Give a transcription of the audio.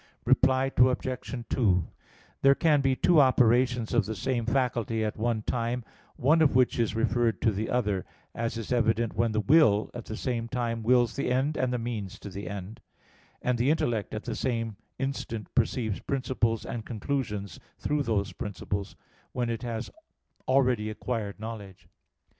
Reply Obj. 2: There can be two operations of the same faculty at the one time, one of which is referred to the other; as is evident when the will at the same time wills the end and the means to the end; and the intellect at the same instant perceives principles and conclusions through those principles, when it has already acquired knowledge.